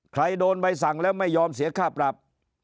โดนใบสั่งแล้วไม่ยอมเสียค่าปรับ